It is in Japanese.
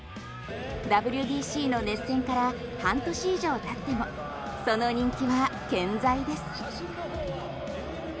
ＷＢＣの熱戦から半年以上たってもその人気は現在です。